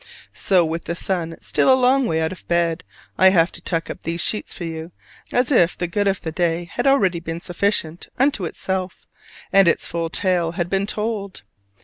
So with the sun still a long way out of bed, I have to tuck up these sheets for you, as if the good of the day had already been sufficient unto itself and its full tale had been told.